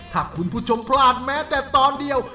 ถ้าคุณผู้ชมพลาดแม้แต่ตอนเดียว